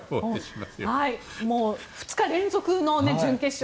もう２日連続の準決勝。